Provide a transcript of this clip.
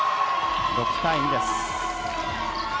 ６対２です。